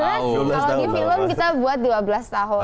kalau di film kita buat dua belas tahun